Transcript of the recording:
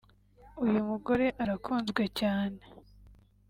uyu mugore arakunzwe cyane